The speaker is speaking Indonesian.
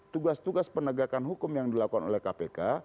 tugas tugas penegakan hukum yang dilakukan oleh kpk